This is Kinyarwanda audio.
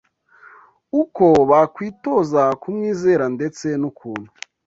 uko bakwitoza kumwizera, ndetse n’ukuntu